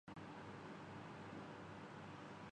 بے ساختگی سے فتح حاصل کرنے کی کوشش کرتی ہیں